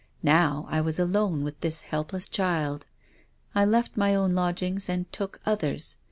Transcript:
Now I was alone with this helpless child. I left my own lodgings and took others.